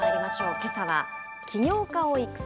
けさは、起業家を育成！